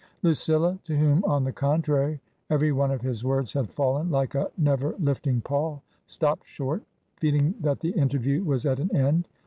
Lucilla, to whom, on the contrary, every one of his words had fallen like a never lifting pall, stopped short, feeling that the interview was at an end.